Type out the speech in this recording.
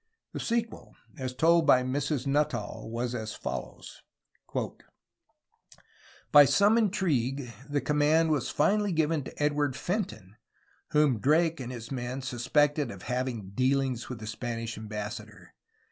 The sequel, as told by Mrs. Nuttall, was as follows: "By some intrigue the command was finally given to Edward Fenton, whom Drake and his men suspected of having dealings with the Spanish Ambassador.